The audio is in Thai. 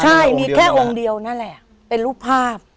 ใช่มีแค่องค์เดียวนั่นแหละเป็นรูปภาพ